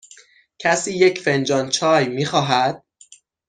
کسی یک فنجان چای می خواهد؟